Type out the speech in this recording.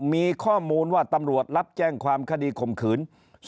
มีข้อมูลว่าตำรวจรับแจ้งความคดีข่มขืน